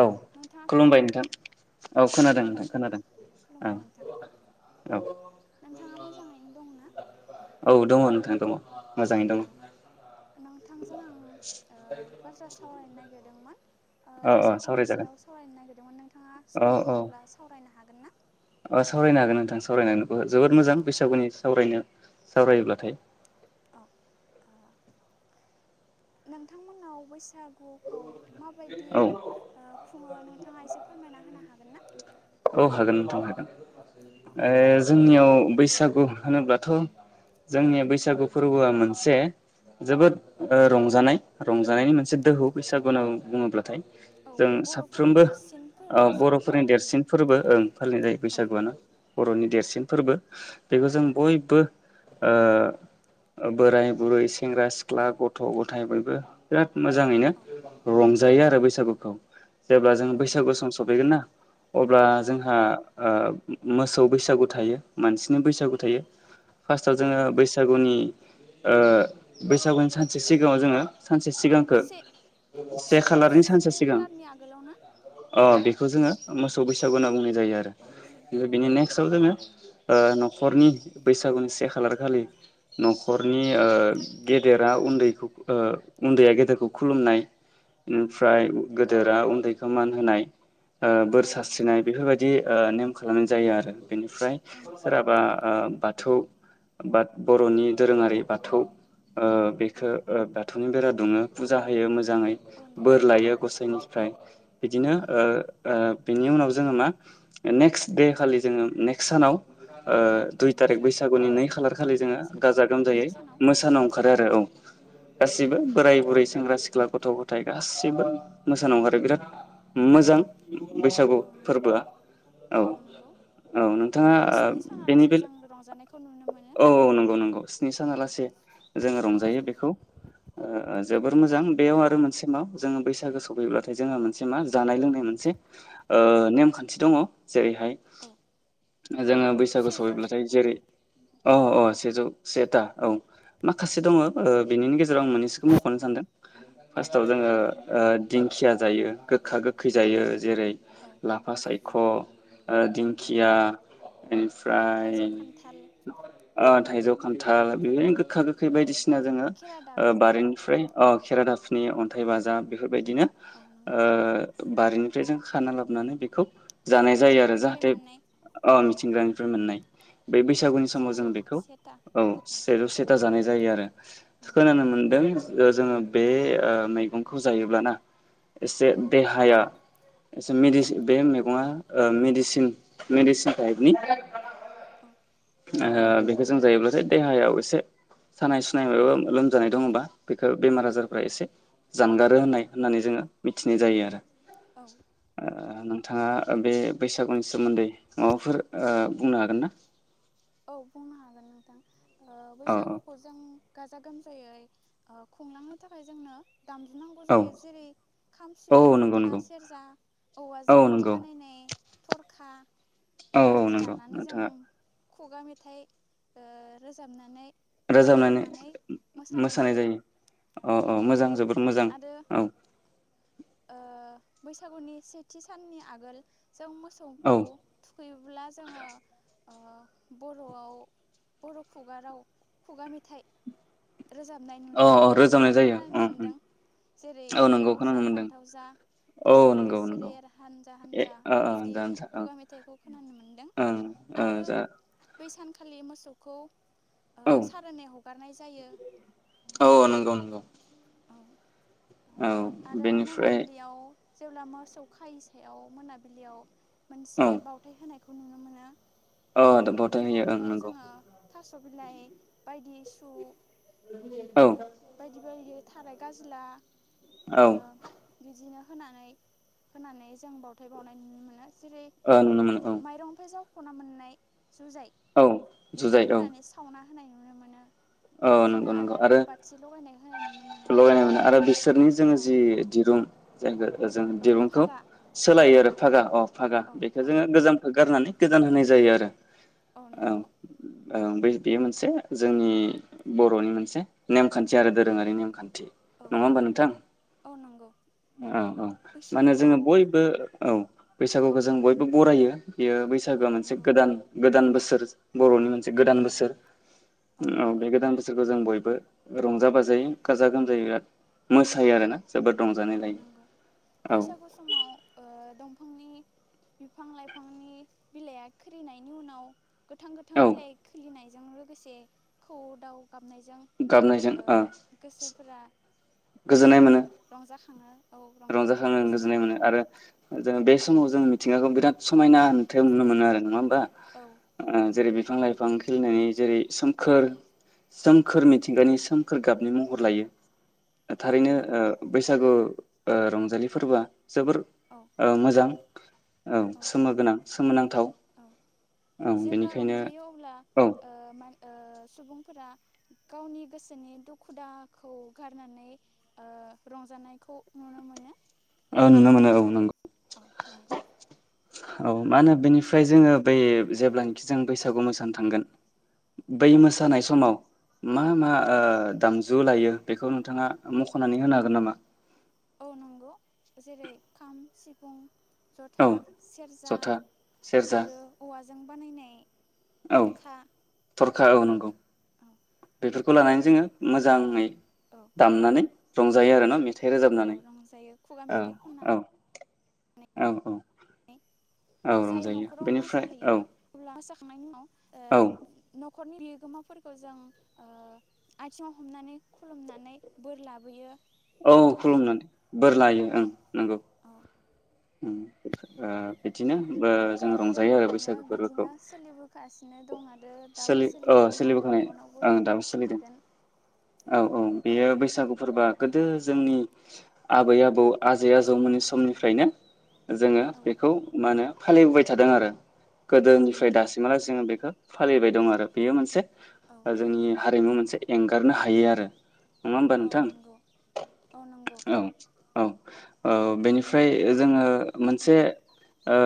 औ नोंथाङा खुलुमबाय खोनादों नोंथां ना औ खोनादों नोंथां खुलुमबाय खोनादों औ खुलुमबाय नोंथां औ नोंथाङा मोजाङैनो दङ ना? औ दङ नोंथां दङ। मोजाङै दङ औ नोंथांजों आं ओ बाथ्रा सावरायनो नागिरदोंमोन। ओ औ औ बैसागुनि सावरायजागोन सायाव सावरायनो नागिरदोंमोन नोंथाङा सम दङब्ला सावरायनो हा हागोन ना अ सावरायनो हागोन नोंथां सावरायनो जोबोद मोजां औ बैसागुनि सावरायनो। सावरायोब्लाथाय। औ ओ नोंथांमोननाव बैसागुखौ माबायदि औ ओ खुङो नोंथाङा एसे फोरमायना होनो हागोन ना औ हागोन नोंथां हागोन। औ ओ जोंनियाव बैसागु होनोब्लाथ' जोंनि बैसागु फोरबोआ मोनसे जोबोद ओ रंजानाय रंजानायनि मोनसे दोहौ बैसागु होनना बुङोब्लाथाय। औ जों बर'फोरनि साफ्रोमबो देरसिन फोरबो हिसाबै फालिनाय जायो। बो ओं फालिनाय औ बैसागुआनो। बर'नि देरसिन फोरबो बेखौ जों बयबो ओ बोराय बुरै सेंग्रा सिख्ला गथ' गथाय बयबो बिराद मोजाङैनो औ रंजायो आरो बैसागुखौ। जेब्ला जों औ बैसागु नंगौ सम सफैगोन ना अब्ला औ जोंहा ओ मोसौ बैसागु थायो मानसि बिनो बैसागु औ थायो फार्स्टआव औ जोङो नंगौ बैसागुनि ओ बैसागुनि सानसे सिगाङाव जोङो सानसे सिगांखो से से खा खालारनि से सानसे सिगां खालारनि आगोलाव ना अ बेखौ जोङो ओं मोसौ बैसागु होनना बुंनाय जायो औ से आरो औ बिनि नेक्स्टआव नंगौ जोङो ओ ओ न'खरनि बैसागुनि से खालार खालि न'खरनि ओ गेदेरा उन्दै उन्दैया गेदेरखौ खुलुमनाय औ ओमफ्राय गोदोरा उन खो मान होनाय ओ बोर औ नंगौ सास्रिनाय बेफोरबायदि नेम खालामनाय जायो आरो। बेनिफ्राय ओं सोरहाबा औ ओ बाथौ बाद बर'नि दोरोङारि बाथौ ओ औ बेखो ओ बाथौनि बेरा दङ फुजा होयो मोजां मोजाङै औ बोर नंगौ लायो गसाइनिफ्राय बिदिनो औ नंगौ ओ ओ बिनि उनाव जोङो मा नेक्स दे खालि जोङो नेक्स सानाव ओ औ दुइ नेक्स्ट तारिख सान बैसागुनि नै खालार औ खालि नै जोङो सान गाजा औ गोमजायै नैथि सानाव मोसानो ओंखारो आरो औ औ गासिबो बोराय बुरै सेंग्रा सिख्ला सिख्ला गथ' गथाय गासैबो मोसानो अंखारो औ बिराद मोजां उ [inaudible] बैसागु औ नंगौ फोरबोआ औ औ नोंथाङा ओ स्नि बेनि सानालासै बे जों रंजानायखौ नुनो मोनो औ औ नंगौ नंगौ स्नि औ सानालासे जोङो रंजायो बेखौ ओ जोबोर मोजां बेयाव आरो मोनसे मा जोङो बैसागो सफैयब्लाथाय जोंङो मोनसे मा जानाय लोंनाय मोनसे ओ नेमखान्थि दङ जेरैहाय औ जोङो बैसागु सेजौ सफैब्लाथाय सेथा जेरै अ अ सेजौ सेता औ माखासे दङ ओ बेनिनो गेजे जेराव आं मोननैसोखौ मख'नो सानदों औ फास्टाव जोङो मुंख'नो हागोन ओ दिंखिया जायो गोखा गोखै औ जायो जेरै औ लाफा साइद ख ओ औ दिंखिया उम ओमफ्राय थाइजौ खान्थाल ओ थाइजौ खान्थाल बिनो गो गोखा गोखै औ बायदिसिना जोङो खेरा ओ दाफिनि औ बारिनिफ्राय अ खेरादाबफिन नि अन्थाइ बाजाब बेफोरबायदिनो औ नंगौ ओ बारिनि आखाइजों खाना लाबनानै बेखौ औ जानाय जायो आरो मिथिंगानिफ्राय जाहाथे मोननाय अ मिथिंगानिफ्राय मोननाय बे बैसागुनि समाव जों सेजौ बेखौ सेथा औ सेजै सेता जानाय जायो आरो औ खोनानो मोनदों ओ जोङो बे ओ मैगंखौ जायोब्लाना एसे औ देहाया नंगौ आसा मदिसिन बे मैगङा ओ मेडिसिन मेडिसिन टाइपनि औ ओ बेखौ जों जायोब्लाथाय देहायाव एसे सानाय सुनाय माबा लोमजानाय दङबा बे ओ बेमार औ आजारफ्रा एसे जानगारो होननाय होननानै जोङो मिथिनाय जायो आरो। औ ओ नों नोंथाङा बे बैसागुनि सोमोन्दै माबाफोर ओ बुंनो हागोन ना? औ बुंनो हागोन नोंथां। ओ औ बैसागुखौ जों गाजा गोमजायै ओ खुंलांनो थाखाय जोंनो दामजु नांगौ औ जायो जेरै खाम औ सिफुं औ नंगौ जथा नंगौ सेरजा औ औवाजों नंगौ बानायनाय थरखा औ औ बायदि नंगौ लानानै जों नोंथाङा खुगा मेथाइ ओ रोजाबनानै एबा रोजाबनानै खननानै मोसानाय जायो औ औ मोजां जोबोद मोजां आरो औ। ओ बैसागुनि सेथि साननि आगोल जों औ मोसौखौ थुखैयोब्ला जोङो ओ बर'आव बर' खुगा राव खुगा मेथाइ रोजाबनाय अ नुनो अ मोनो एबा रोजाबनाय जायो खोनानो मोन्दों जेरै औ नंगौ लाव खोनानो जा मोनदों फान्थाव जा औ बोसोरै नंगौ बोसोरै नंगौ हानजा ए हानजा ओ ओ बिदि जानो खुगा मेथाइखौ खोनानो मोनदों ओं ओ आरो जा बै सान खालि मोसौखौ ओ औ सारोनै हगारनाय जायो। औ औ नंगौ नंगौ आ औ आरो बेनिफ्राय मोनाबिलियाव जेब्ला मोसौ खायि सायाव मोनाबिलियाव मोनसे बावथाय होनाय अ द [unintelligible] होयो अ बावथायाव नंगौ। जोङो थास बिलाइ बायदि सु औ बयदि बायदि थाराय गाजोला ओ बिदिनो होनानै होनानै जों बावथाय बावनाय नुनो मोनो। जेरै ओ नुनो मोनो औ माइरंफ्राय जाव ख'ना मोननाय जुजाइ औ बेखौ जुजाय औ होनानै सावना होनाय नुनो मोनो औ नंगौ बिदिनो नंगौ आलारि आरो बाथि लगायनाय होनाय नुनो मोनो। लगायनाय मोनो आरो बिसोरनि जोङो औ जि दिरुं [unintelligible] जों औ दिरुंखौ फागा सोलायो आरो। फागा अ। फागा औ बेखौ जोङो फागाखौ गोजामखौ गारनानै गोदान होनाय जायो आरो। अ नंगौ। ओ बे बेयो मोनसे जोंनि बर'नि मोनसे नेमखान्थि आरो दोरोङारि नेमखान्थि। थि औ नङा होमबा नोंथां औ नंगौ औ औ माने जोङो बैसागुआव बयबो औ। बैसागुखौ जों बयबो बरायो। बेयो औ बैसागोआ मोनसे नंगौ गोदान गोदान बोसोर बोसोर बर'नि मोनसे गोदान बोसोर। औ नंगौ। बे गोदान बोसोरखौ जों बयबो रंजा बाजायै गाजा गोमजायै औ मोसायो आरोना जोबोद औ रंजानाय लायो नंगौ औ बैसागु समाव ओ दं बिफांनि बिफां लाइफांनि बिलाइआ खिरिनायनि उनाव गोथां गोथां औ बिलाइ खिलिनाय जों लोगोसे खौवौ दाव गाब नायजों ओ गोसोफोरा गोजोननाय मोनो ओ जाखाङो रंजाखाङो गोजोननाय मोनो आरो जोङो बेस समाव जों मिथिंगाखौ बिराद समायना नुथाय आव नुनो मोनो आरो नङा बा औ ओ जेरै बादि बिफां लाइफां खेलेनानै जेरै सोमखोर-सोमखोर मिथिंगानि सोमखोर गाबनि महर लायो। औ थारैनो नंगौ ओ बैसागु ओ रंजालि फोरबोआ जोबोर औ ओ मोजां। औ सोमो गोनां सोमोनां गोथाव औ जेब्ला रंजायो अब्ला ओ मान ओ सुबुंफोरा गावनि गोसोनि दुखु दाहाखौ गारनानै ओ रंजानायखौ नुनो मोनो। औ नुनो मोनो औ नंगौ [inaudible] औ मा होनो बेनिफ्राय जोङो बै जेब्लानोखि जों बैसागु मोसानो थांगोन बै औ मोसानाय समाव मा मा ओ दामजु लायो बेखौ नोंथाङा मख'नानै होनो हागोन नामा? औ नंगौ जेरै खाम सिफुं औ जथा सेरजा जथा सेरजा आरो औवा जों बानायनाय औ थरखा थरखा औ नंगौ औ बेफोर खौ लानानै जोङो मोजाङै औ दामनानै रंजायो आरो ना मे औ रंजायो खुगा मेथाइ औ खननानै औ औ औ जाय रंजायो न'खराव बेनिफ्राय औ मोसाहैयो अब्ला साख [inaudible] ओ औ न न'खरनि बिगोमाफोरखौ जों आथिङाव हमनानै खुलुमनानै बोर लाबोयो औ खुलुमनानै बोर लायो औ ओं नंगौ औ उम ओ बिदिनो बो ओ जों गोदो रंजायो आरो गोदायनिफ्रायनो बैसागो फोरबोखौ। बिदिनो सोलिबोगासिनो दं आरो दाबो सोलि औ सोलिदों आरो सोलिबोखानाय इयुनावबो ओं दाबो सोलिदों सोलिगोन औ औ बेयो बैसागु फोरबोआ गोदो जोंनि आबै आबौ आजै आजौमोननि समनिफ्रायनो जोङो औ बेखौ मा होनो फालिबोबाय थादों आरो औ गीदोनिफ्राय नंगौ दासिम लागै जों बेखौ फालिबाय दं आरो बेयो मोनसे औ ओ जोंनि हारिमु मोनसे एंगारनो हायो आरो नङा होमबा औ नोंथां नंगौ औ नंगौ औ औ ओ बेनिफ्राय जोङो मोनसेनो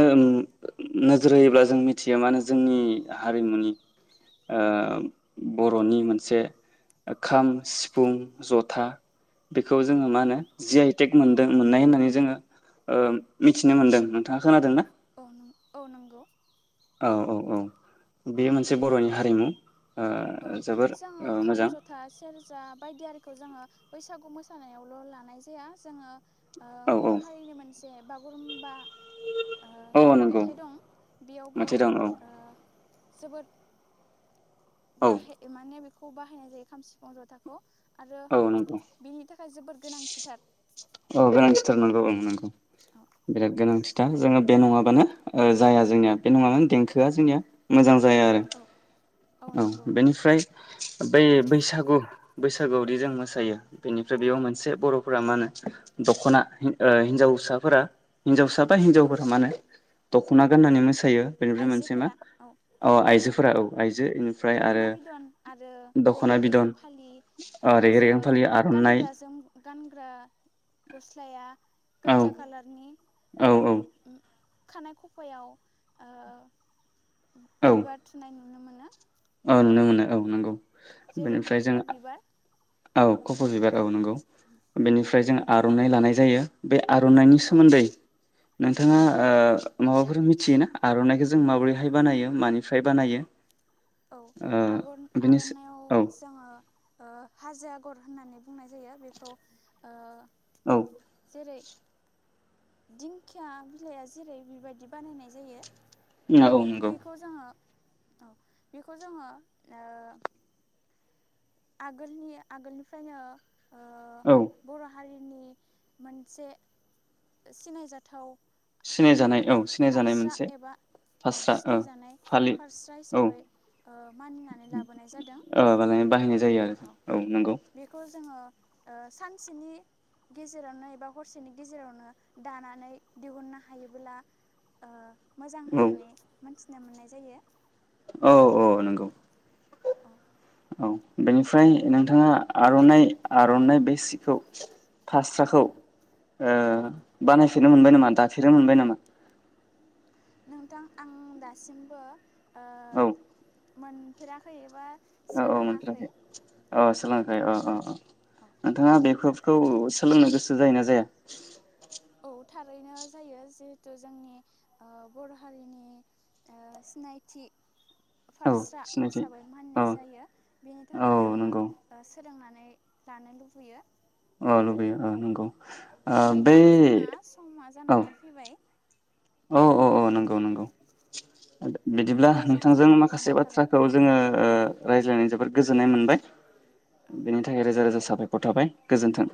ओ नोजोर होयोब्ला जों मिथिया होन जोंनि हारिमुनि आ बर'नि मोनसे खाम सिफुं जथा बेखौ जोङो मा औ होनो जि आइटेक मोनदों मोननाय होन जोङो ओ मिथिनो मोनदों नोंथाङा खोनादों ना? औ न औ नंगौ औ औ औ बेयो मोनसे बर'नि हारिमु ओ औ जोबोर जोङो ओ खाम मोजां जथा सेरजा बायदियिखौ जोङो बैसागु मोसानायावल' लानाय जाया जोङो औ औ बागुरुमबा ओ औ नंगौ मेथाइ दं बेयावबो मोनसे दं औ ओ जोबोद औ बाहे माने बेख खौ बाहायनाय जायो खाम सिफुं जथाखौ आरो औ नंगौ बिनि थाखाय जोबोर गोनांथिथार औ गोनांथिथार नांगौ ओ नांगौ औ बिराद गोनांथि [unintelligible] दा जोङो बे नङाबानो ओ जाया जोंनिया बे नङाबानो देंखोआ जोंनिया मोजां जाया जाया औ आरो औ बेनिफ्राय बै बैसागु बैसागुआवदि जों मोसायो बेनिफ्राय बेयाव मोनसे बर'फोरा मा होनो दख'ना ओ हिनजावसाफोरा हिनजावसा बा औ हिनजावफोरा मानो दख'ना गाननानै मोसा थायो बेनिफ्राय मोनसे मा आइजोफोरा औ अ आइजोफोरा औ आइजो बेनिफ्राय दख'ना आरो बिदन आरो दख'ना रेगे रेगां बिदन फालि ओ रेगे रेगां जोङो फालि आर'नाइ गानग्राजों गानग्रा गस्लाया औ गोजा कालारनि औ। खानाय खफायाव ओ औ बिबार थुनाय नु औ नुनो मोनो औ नंगौ। जेरै बेनिफ्राय जों खफ' बिबार औ। खफ'बिबारा औ नंगौ। बेनिफ्राय जों आर'नाइ लानाय जायो बे आर'नाइनि औ सोमोन्दै नोंथाङा ओ माबाफोर मिथियोना आर'नाइखौ जों माबोरैहाय बानायो मानिफ्राय बानायो? औ ओ आगन बिनि आर'नायइाव औ जोङो ओ हाजो आगर होननानै बुंनाय जायो बेखौ ओ औ जेरै दिंखिया बिलाइआ जेरै बेबायदि बानायनाय जायो। औ नंगौ बेखौ जोङो औ बेखौ जोङो ओ आगोलनि आगोलनिफ्रायनो ओ औ बर' हारि नि मोनसे सिनायजाथाव सिनायजानाय औ सिनायजानाय फारस्रा मोनसे एबा अ फास्रा ओ सिनायजानाय फालि फारस्रा औ हिसाबै मानिनानै लाबोनाय जादों। होयो आरो औ नंगौ। बेखौ जोङो ओ सानसेनि गेजेरावनो एबा हरसेनि गेजेरावनो दानानै दिहुननो हायोबोला ओ मोजां औ होननानै मोनथि थिना मोननाय जायो। औ औ नंगौ। औ औ बेनिफ्राय नोंथाङा आर'नाइ आर'नाइ बे सिखौ फास्राखौ ओ औ बानाय फेरनो मोनबाय नामा दाफेरनो मोनबाय नामा? नोंथां आं दासिमबो ओ औ। मोनफेराखै एबा औ औ सोलोङाखै मोनफेराखै औ। सोलोंआखै अ अ अ औ नोंथाङा बेफोरबखौ सोलोंनो गोसो जायोना जाया? औ थारैनो जायो जिहेथु जोंनि ओ बर' हारिनि ओ सिनायथि औ फारस्रा सिनायथि हिसाबै औ मानिनाय जायो बेनि औ थाखायनो नंगौ आङो सोलोंनानै दानो लुबैयो। अ लुबैयो ओ नोंगौ। नोंथां जोंना सममा औ जानानै फैबाय औ औ औ नंगौ नंगौ। बिदिब्ला नोंथांनिसिम नोंथांजों साबायखर माखासे बावनाय थाबाय बाथ्राखौ जोङो ओ रायज्लायनाय जोबोद गोजोननाय मोनबाय। औ बेनि थाखाय रोजा रोजा सा साबायखर थाबाय गोजोन्थों।